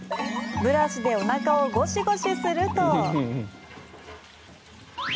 ブラシでおなかをゴシゴシすると。